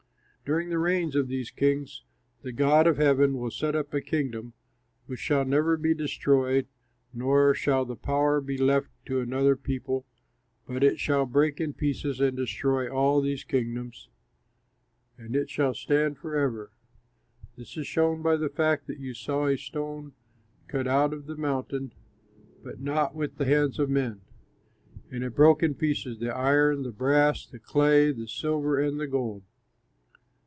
"During the reigns of these kings the God of heaven will set up a kingdom which shall never be destroyed, nor shall the power be left to another people; but it shall break in pieces and destroy all these kingdoms, and it shall stand forever. This is shown by the fact that you saw a stone cut out of the mountain, but not with the hands of men. And it broke in pieces the iron, the brass, the clay, the silver, and the gold.